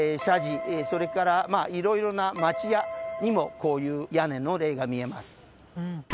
それからまあ色々な町家にもこういう屋根の例が見えます。